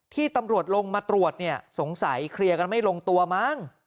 ที่ตำรวจลงมาตรวจเนี่ยสงสัยเคลียร์กันไม่ลงตัวมั้ง